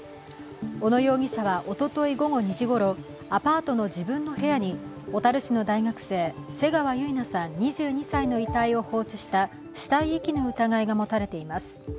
小野容疑者はおととい午後２時ごろアパートの自分の家に小樽市の大学生、瀬川結菜さん２２歳の遺体を放置した死体遺棄の疑いが持たれています。